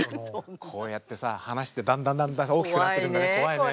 こうやってさ話ってだんだんだんだん大きくなってくんだね。